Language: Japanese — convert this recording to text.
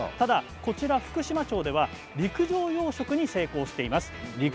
こちら福島町では陸上養殖に成功しています。